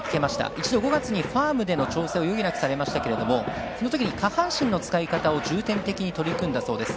一度、５月にファームでの調整を余儀なくされましたけどその時に、下半身の使い方を重点的に取り組んだようです。